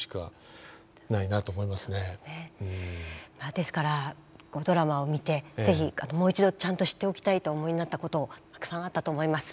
ですからドラマを見て是非もう一度ちゃんと知っておきたいとお思いになったことたくさんあったと思います。